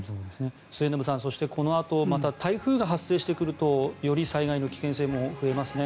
末延さんそしてこのあとまた台風が発生してくるとより災害の危険性も増えますね。